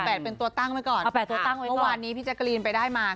เอา๘เป็นตัวตั้งไว้ก่อนเมื่อวานนี้พี่แจกรีนไปได้มา๙๔๔